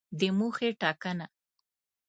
د موخې ټاکنه